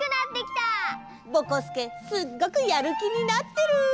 ぼこすけすっごくやるきになってる！